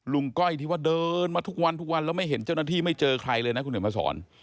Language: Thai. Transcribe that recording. ก้อยที่ว่าเดินมาทุกวันทุกวันแล้วไม่เห็นเจ้าหน้าที่ไม่เจอใครเลยนะคุณเห็นมาสอน